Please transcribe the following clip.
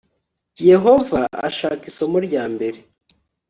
yehova ashaka isomo rya mbere